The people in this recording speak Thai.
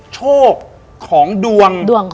โชคของดวง